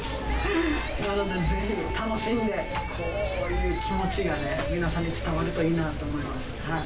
なので是非楽しんでこういう気持ちがね皆さんに伝わるといいなと思います。